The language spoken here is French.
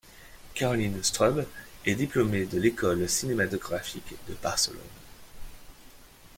Caroline Strubbe est diplômée de l'école cinématographique de Barcelone.